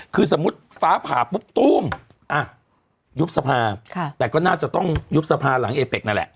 คือสมมุติฟ้าผ่าปุ๊บตู้มอ่ะยุบสภาแต่ก็น่าจะต้องยุบสภาหลังเอเป็กนั่นแหละ